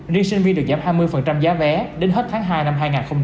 riêng sinh viên được giảm hai mươi giá vé đến hết tháng hai năm hai nghìn hai mươi